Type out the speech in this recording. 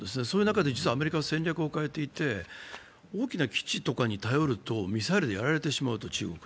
そういう中で実はアメリカは戦略を変えていて大きな基地とかに頼ると中国のミサイルにやられてしまう。